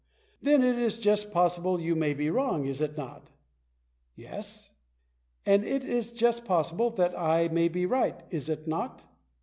" Then it is just possible you may be wrong, is it not ?"" Yes." "And it is just possible that I may be right, is it not